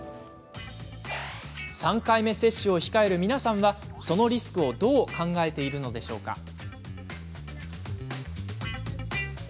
３回目接種を控える皆さんはそのリスクをどう考えているのでしょうか？